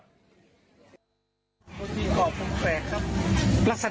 โรตีกรอบพุ่งแฝกครับ